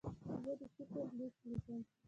زه د شکر لیک لیکم.